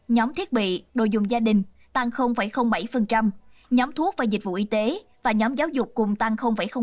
nhóm thiết bị đồ dùng gia đình tăng bảy nhóm thuốc và dịch vụ y tế và nhóm giáo dục cùng tăng ba